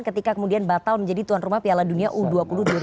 ketika kemudian batal menjadi tuan rumah piala dunia u dua puluh dua ribu dua puluh